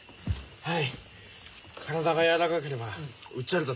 はい！